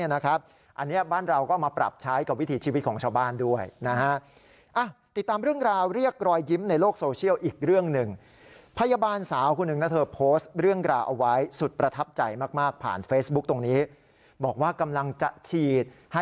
อันนี้บ้านเราก็มาปรับใช้กับวิถีชีวิตของชาวบ้านด้วยนะฮะ